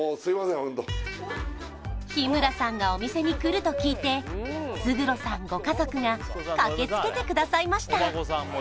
ホント日村さんがお店にくると聞いて勝呂さんご家族が駆けつけてくださいました